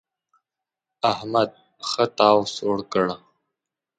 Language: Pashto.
احمد ښه تاو سوړ کړ.